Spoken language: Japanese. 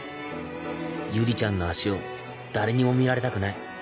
ゆりちゃんの脚を誰にも見られたくない